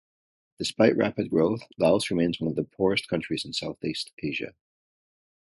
Despite rapid growth, Laos remains one of the poorest countries in Southeast Asia.